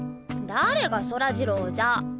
誰がそらジローじゃ。